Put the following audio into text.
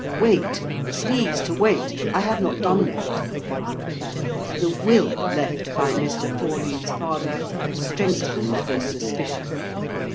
Wait! please to wait—I have not done yet. The will left by Mr. Forley's father, strengthens the suspicion.